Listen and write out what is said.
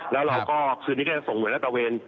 แล้วเราก็คืนนี้ก็จะส่งเหนือรัตเตอร์เวน